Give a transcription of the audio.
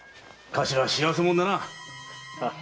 頭は幸せ者だな。